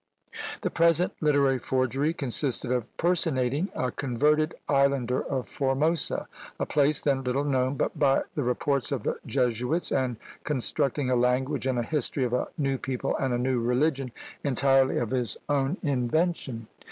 The present literary forgery consisted of personating a converted islander of Formosa: a place then little known but by the reports of the Jesuits, and constructing a language and a history of a new people and a new religion, entirely of his own invention!